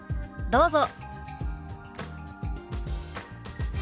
どうぞ。